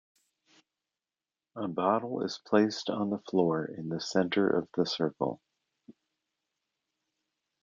A bottle is placed on the floor in the center of the circle.